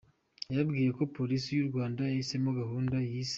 Yababwiye ko Polisi y’u Rwanda yahisemo gahunda yise E.